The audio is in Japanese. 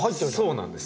そうなんです。